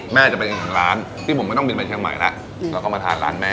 แม่จะไปกันกันร้านที่ผมจะไม่ต้องบินไปเชียงใหม่แล้วแล้วก็มาทานร้านแม่